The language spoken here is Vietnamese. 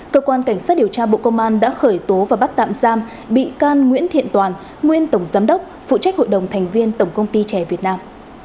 cơ quan cảnh sát điều tra bộ công an đã khởi tố và bắt tạm giam bị can nguyễn thiện toàn nguyên tổng giám đốc phụ trách hội đồng thành viên tổng công ty trẻ việt nam